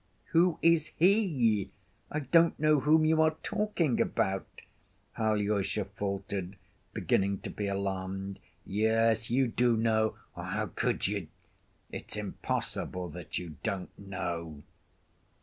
"Who is he! I don't know whom you are talking about," Alyosha faltered, beginning to be alarmed. "Yes, you do know ... or how could you—? It's impossible that you don't know."